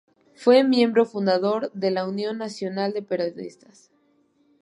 Fue miembro fundador de la Unión Nacional de Periodistas.